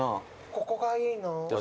ここがいいな。